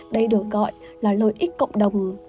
đây được gọi là lợi ích cộng đồng